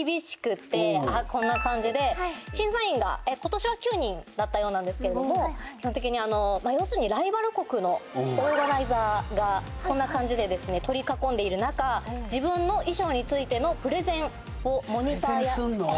こんな感じで審査員が今年は９人だったようなんですけれども基本的に要するにライバル国のオーガナイザーがこんな感じで取り囲んでいる中自分の衣装についてのプレゼンをモニターやプレゼンすんの？